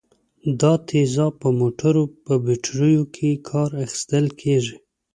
دا تیزاب په موټرو په بټریو کې کار اخیستل کیږي.